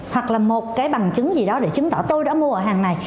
hoặc là một cái bằng chứng gì đó để chứng tỏ tôi đã mua ở hàng này